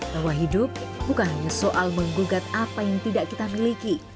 bahwa hidup bukan hanya soal menggugat apa yang tidak kita miliki